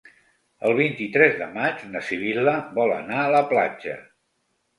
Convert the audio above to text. El vint-i-tres de maig na Sibil·la vol anar a la platja.